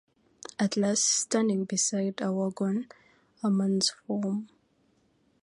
At last, standing beside a wagon, a man’s form!